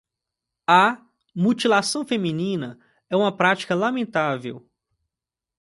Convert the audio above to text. A mutilação feminina é uma prática lamentável